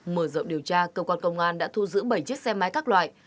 mở rộng điều tra cơ quan công an đã thu giữ bảy chiếc xe máy các loại